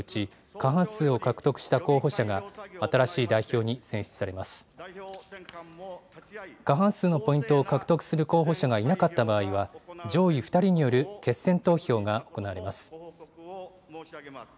過半数のポイントを獲得する候補者がいなかった場合は、上位２人による決選投票が行われます。